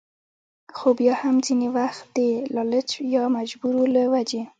خو بيا هم ځينې وخت د لالچ يا مجبورو له وجې